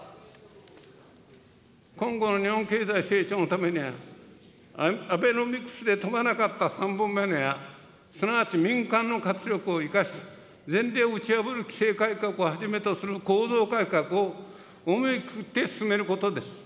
今後の日本経済成長のためには、アベノミクスで飛ばなかった３本目の矢、すなわち民間の活力を生かし、前例を打ち破る規制改革をはじめとする構造改革を思い切って進めることです。